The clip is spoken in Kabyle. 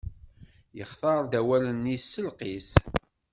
Yextar-d awalen-is s lqis.